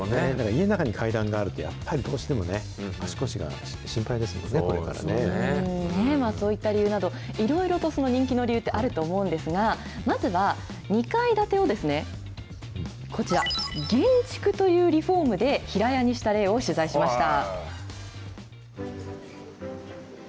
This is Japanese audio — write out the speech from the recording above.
家の中に階段があると、やっぱりどうしてもね、足腰が心配でそういった理由など、いろいろと人気の理由というのはあると思うんですが、まずは、２階建てをこちら、減築というリフォームで平屋にした例を取材しました。